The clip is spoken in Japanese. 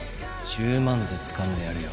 １０万でつかんでやるよ！